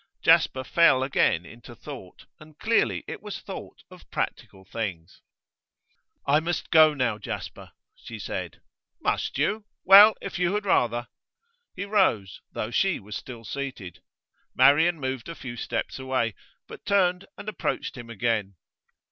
Jasper fell again into thought, and clearly it was thought of practical things. 'I think I must go now, Jasper,' she said. 'Must you? Well, if you had rather.' He rose, though she was still seated. Marian moved a few steps away, but turned and approached him again.